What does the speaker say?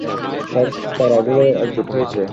সব তারাগুলো একজোট হয়েছে।